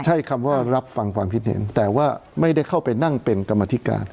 ใช่คำว่ารับฟังความคิดเห็นแต่ว่าไม่ได้เข้าไปนั่งเป็นกรรมธิการ